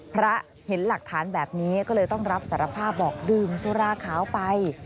พระเห็นหลักฐานแบบนี้ก็เลยต้องรับสารภาพบอกดื่มสุราขาวไป